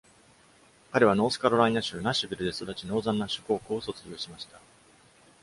彼はノースカロライナ州ナッシュビルで育ち、ノーザンナッシュ高校を卒業しました。